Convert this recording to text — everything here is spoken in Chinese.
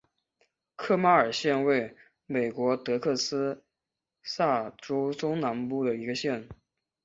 科马尔县位美国德克萨斯州中南部的一个县。